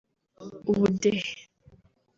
ubudehe